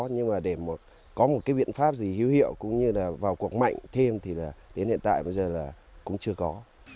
nhưng để có một biện pháp gì hiếu hiệu cũng như vào cuộc mạnh thêm thì đến hiện tại bây giờ cũng chưa có